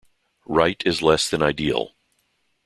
Right is less than ideal.